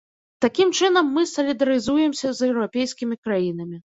Такім чынам мы салідарызуемся з еўрапейскімі краінамі.